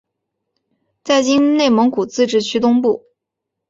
在今内蒙古自治区东部。